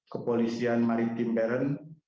kepolisian maritim beren